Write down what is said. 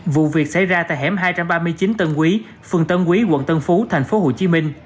vụ việc xảy ra tại hẻm hai trăm ba mươi chín tân quý phường tân quý quận tân phú tp hcm